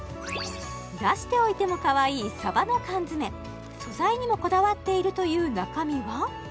出しておいてもかわいいサバの缶詰素材にもこだわっているという中身は？